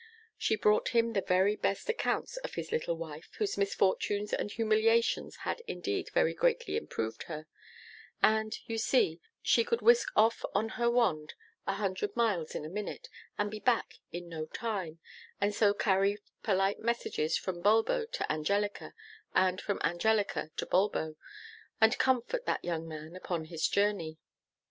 She brought him the very best accounts of his little wife, whose misfortunes and humiliations had indeed very greatly improved her; and, you see, she could whisk off on her wand a hundred miles in a minute, and be back in no time, and so carry polite messages from Bulbo to Angelica, and from Angelica to Bulbo, and comfort that young man upon his journey.